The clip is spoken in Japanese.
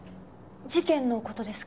事件の事ですか？